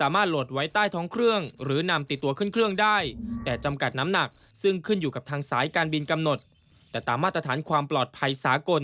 มาตรฐานความปลอดภัยสากล